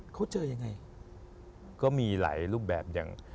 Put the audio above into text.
เขาเจอยังไงก็มีหลายรูปแบบอย่าง